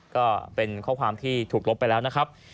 ก็เป็นข้อความที่ถูกลบไปแล้วนะครับ